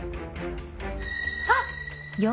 あっ！